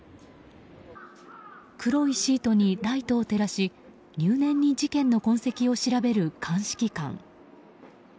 黒いシートにライトを照らし入念に事件の痕跡を調べる鑑識官。